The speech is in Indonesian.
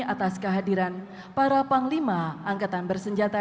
atas kehadiran para panglima angkatan bersenjata